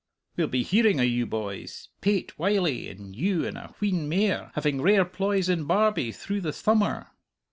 We'll be hearing o' you boys Pate Wylie and you and a wheen mair having rare ploys in Barbie through the thummer."